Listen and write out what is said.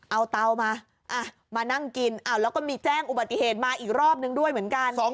เอาเตามามานั่งกินแล้วก็มีแจ้งอุบัติเหตุมาอีกรอบนึงด้วยเหมือนกัน